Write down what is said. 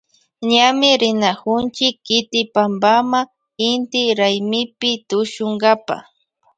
Ñami rinakunchi kiti pampama inti raymipi tushunkapa.